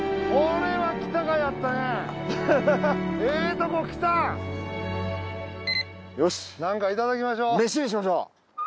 めしにしましょう。